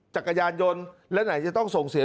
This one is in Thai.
จักรยานยนต์แล้วไหนจะต้องส่งเสีย